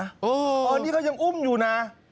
อ๋ออันนี้ก็ยังอุ้มอยู่น่ะ